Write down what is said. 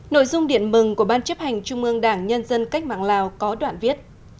nội dung điện mừng của ban chấp hành trung ương đảng nhân dân cách mạng lào có đoạn viết